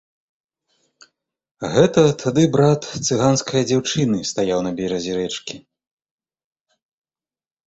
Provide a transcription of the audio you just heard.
Гэта тады брат цыганскае дзяўчыны стаяў на беразе рэчкі.